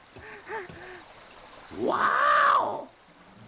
ワーオ！